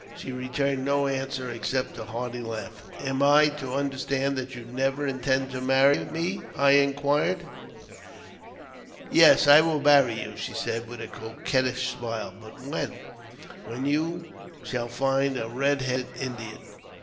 She returned no answer except a hearty laugh. " Am I to understand that you never intend to marry me? " I inquired. " Yes, I will marry you," she said, with a coquettish smile. ''But when?" *' When you shall find a red headed Indian."